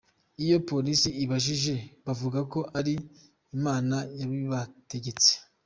Iyo police ibabajije, bavuga ko ari "imana yabibategetse".